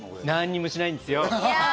何もしないんですよ。